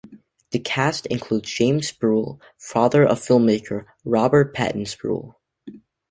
The cast included James Spruill, father of filmmaker Robert Patton-Spruill.